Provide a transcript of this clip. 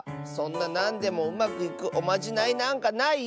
そんななんでもうまくいくおまじないなんかないよ。